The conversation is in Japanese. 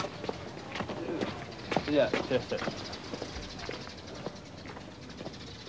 それじゃあいってらっしゃい。